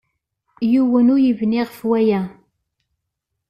Yiwen ur yebni ɣef waya.